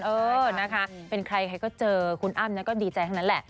เออนะคะเป็นใครใครก็เจอคุณอ้ำนะก็ดีใจทั้งนั้นแหละ